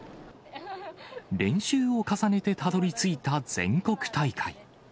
練習を重ねてたどりついた全国大会。